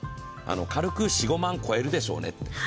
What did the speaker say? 軽く４５万超えるでしょうねと。